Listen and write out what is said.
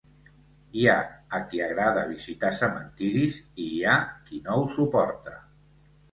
Hi ha a qui agrada visitar cementiris i hi ha qui no ho suporta.